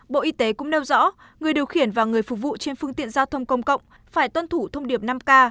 bộ y tế cũng nêu rõ người điều khiển và người phục vụ trên phương tiện giao thông công cộng phải tuân thủ thông điệp năm k